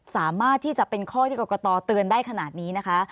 สามารถที่จะเป็นข้อที่กรกตเตือนได้ขนาดนี้นะคะ